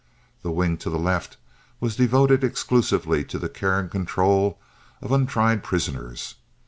The wing to the left was devoted exclusively to the care and control of untried prisoners.